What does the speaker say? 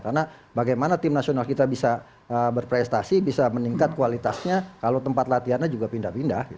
karena bagaimana tim nasional kita bisa berprestasi bisa meningkat kualitasnya kalau tempat latihannya juga binda binda